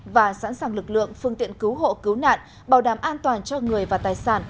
và sẵn sàng lực lượng phương tiện cứu hộ cứu nạn bảo đảm an toàn cho người và tài sản